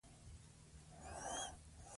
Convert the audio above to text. ستړیا او بې حالي د فشار اغېز ښيي.